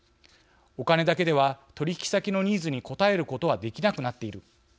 お金だけでは取引先のニーズに応えることはできなくなっている。